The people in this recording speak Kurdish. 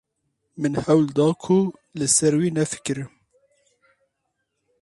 Min hewl da ku li ser wî nefikirim.